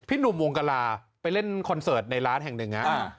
หนุ่มวงกลาไปเล่นคอนเสิร์ตในร้านแห่งหนึ่งนะ